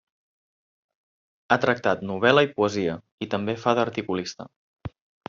Ha tractat novel·la i poesia, i també fa d'articulista.